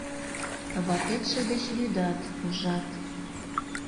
Ватетше деч лӱдат, ужат?